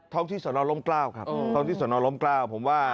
ท้องที่สอนอร่มกล้าวครับท้องที่สอนอร่มกล้าวผมว่า